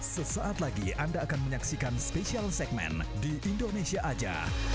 sesaat lagi anda akan menyaksikan spesial segmen di indonesia aja